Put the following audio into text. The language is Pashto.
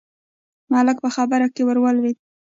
ملک په خبره کې ور ولوېد: